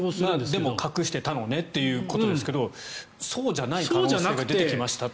でも隠してたのねということですがそうじゃない可能性が出てきましたと。